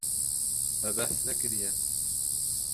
Me behs nekiriye.